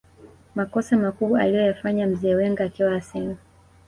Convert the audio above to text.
makossa makubwa aliyofanya mzee Wenger akiwa arsenal